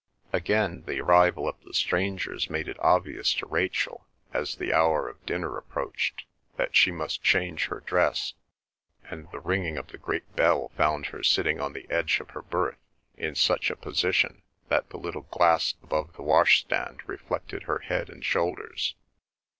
Again, the arrival of the strangers made it obvious to Rachel, as the hour of dinner approached, that she must change her dress; and the ringing of the great bell found her sitting on the edge of her berth in such a position that the little glass above the washstand reflected her head and shoulders.